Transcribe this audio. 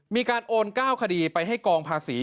มีการโอน๙คดีไปให้กองภาษี